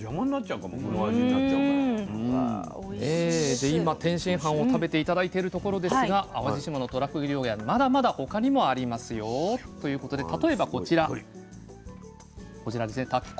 で今天津飯を食べて頂いてるところですが淡路島のとらふぐ料理はまだまだ他にもありますよ。ということで例えばこちら炊き込みごはんですね。